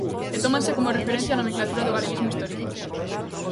E tómanse como referencia a nomenclatura do galeguismo histórico.